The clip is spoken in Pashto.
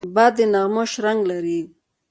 باد د نغمو شرنګ لري